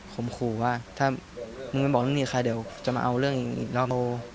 ผมขู่ว่าถ้ามึงไม่บอกเรื่องนี้ใครเดี๋ยวจะมาเอาเรื่องอีกรอบโม